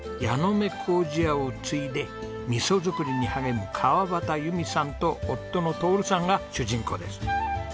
目糀屋を継いで味噌作りに励む川端由美さんと夫の徹さんが主人公です。